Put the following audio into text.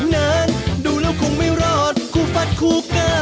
ต้องเพียงทุกวัน